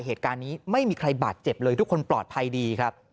เหตุการณ์นี้ไม่มีใครบาดเจ็บเลยทุกคนปลอดภัยดีครับ